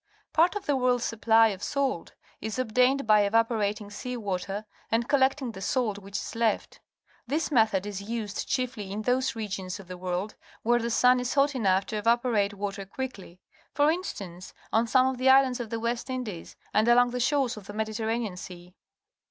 Part of the world's supply of salt is obtained by evaporating sea water and col lecting the salt which is left. This method is used chiefly in those regions of the world where the sun is hot enough to evaporate water quickly; for instance, on some of the Islands of the West Indies and along the shores of the Mediterranean Sea.